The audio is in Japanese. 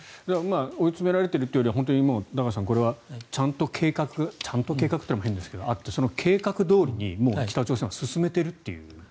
追い詰められているというよりは高橋さん、これはちゃんと計画計画というのも変ですがその計画どおりに北朝鮮は進めているという。